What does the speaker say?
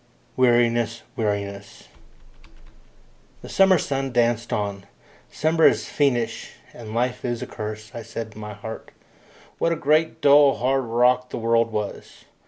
Weariness! Weariness! The summer sun danced on. Summer is fiendish, and life is a curse, I said in my heart. What a great dull hard rock the world was!